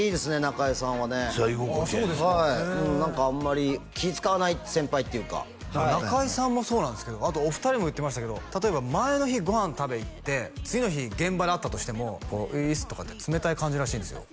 へえ何かあんまり気ぃ使わない先輩っていうか中居さんもそうなんですけどあとお二人も言ってましたけど例えば前の日ご飯食べに行って次の日現場で会ったとしても「うぃーっす」とかって冷たい感じらしいんですよ